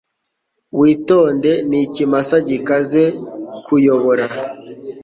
Witonde. Ni ikimasa gikaze. kuyobora